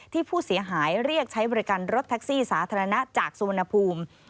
ที่ผู้เสียหายเรียกใช้บริการรถแท็กซี่สาธารณะจากสุวรรณภูมิ